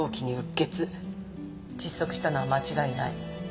窒息したのは間違いない。